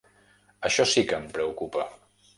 Això sí que em preocupa.